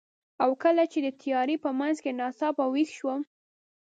او کله چې د تیارې په منځ کې ناڅاپه ویښ شوم،